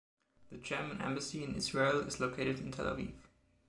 The German Embassy in Israel is located in Tel Aviv.